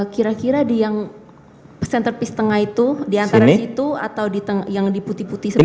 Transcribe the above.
kira kira di yang pesan terpis tengah itu di antara situ atau yang di putih putih sebelah